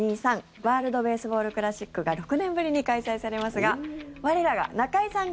ワールド・ベースボール・クラシックが６年ぶりに開催されますが我らが中居さんが。